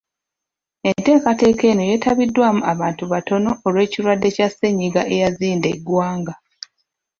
Enteekateeka eno yeetabiddwamu abantu batono olw’ekirwadde kya ssennyiga eyazinda eggwanga.